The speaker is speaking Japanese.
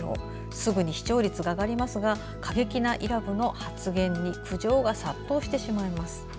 すぐに視聴率が上がりますが過激な伊良部の発言に苦情が殺到してしまいます。